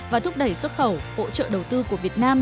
và thúc đẩy xuất khẩu hỗ trợ đầu tư của việt nam